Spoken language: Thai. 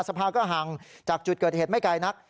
สภาก็ห่างจากจุดเกิดเหตุไม่ไกลนัก